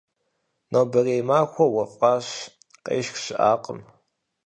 Нобэрей махуэр уэфӀащ, къешх щыӀакъым.